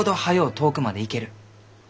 遠くまで行ける。